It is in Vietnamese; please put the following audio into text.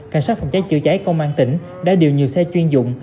cảnh sát phòng cháy chữa cháy công an tỉnh đã điều nhiều xe chuyên dụng